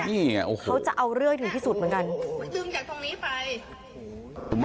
เขาจะเอาเรื่อยถึงพิสูจน์เหมือนกัน